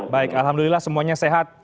baik alhamdulillah semuanya sehat